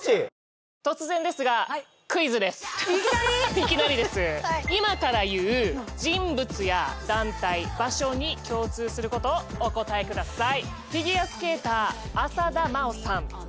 いきなりです今から言う人物や団体場所に共通することをお答えください